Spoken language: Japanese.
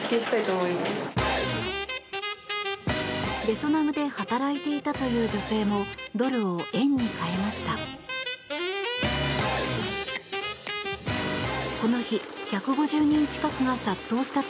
ベトナムで働いていたという女性もドルを円に替えました。